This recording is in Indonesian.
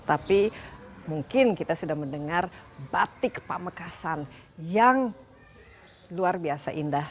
tapi mungkin kita sudah mendengar batik pamekasan yang luar biasa indah